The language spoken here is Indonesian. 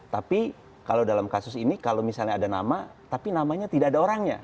tapi kalau dalam kasus ini kalau misalnya ada nama tapi namanya tidak ada orangnya